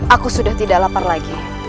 aku sudah tidak lapar lagi